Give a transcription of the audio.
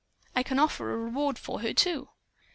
I can offer a reward for her, too."